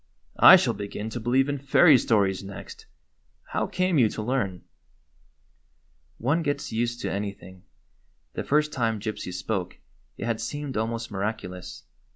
"I shall begin to believe in fairy stories next. How came you to learn ?" One gets used to anything. The first time Gypsy spoke it had seemed almost miraculous.